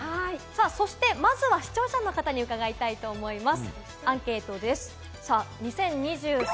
そして、まずは視聴者の方に伺いたいと思います。